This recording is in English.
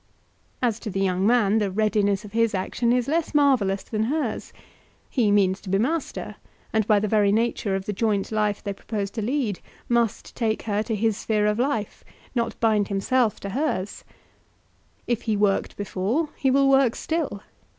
As to the young man, the readiness of his action is less marvellous than hers. He means to be master, and, by the very nature of the joint life they propose to lead, must take her to his sphere of life, not bind himself to hers. If he worked before he will work still.